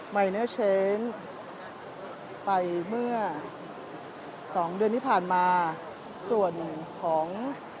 ไปเมื่อสองเดือนที่ผ่านมาส่วนของ